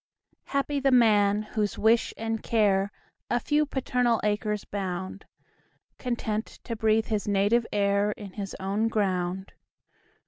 Happy the man, whose wish and care A few paternal acres bound, Content to breathe his native air In his own ground.